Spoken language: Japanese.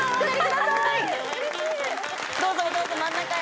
どうぞどうぞ真ん中へ。